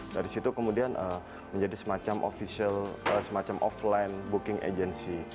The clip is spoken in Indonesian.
dari situ kemudian menjadi semacam offline booking agency